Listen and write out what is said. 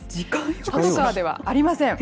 パトカーではありません。